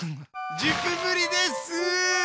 １０分ぶりです！